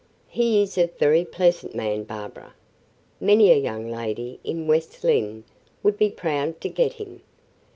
"He is a very pleasant man, Barbara. Many a young lady in West Lynne would be proud to get him."